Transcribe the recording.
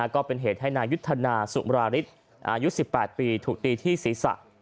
ก็เป็นเหตุให้นายุทธนาสุมราริสอายุ๑๘ปีถูกตีที่ศีรษะ